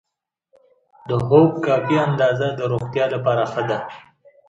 د خوب کافي اندازه د روغتیا لپاره ښه ده.